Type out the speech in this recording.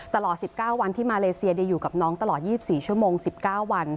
ตลอด๑๙วันที่มาเลเซียอยู่กับน้องตลอด๒๔ชั่วโมง๑๙วัน